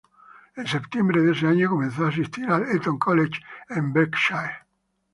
En septiembre de ese año, comenzó a asistir al Eton College en Berkshire.